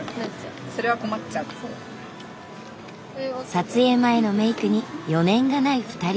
撮影前のメイクに余念がない２人。